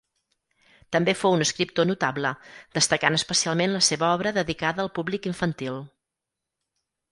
També fou un escriptor notable, destacant especialment la seva obra dedicada al públic infantil.